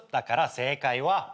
正解は。